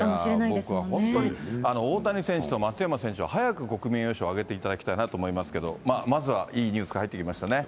僕は本当に、大谷選手と松山選手は早く国民栄誉賞をあげていただきたいなと思いますけれども、まずはいいニュースが入ってきましたね。